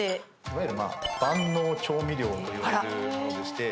いわゆる万能調味料といわれるものでして。